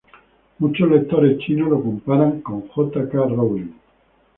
Muchos lectores chinos lo comparan con J. K. Rowling.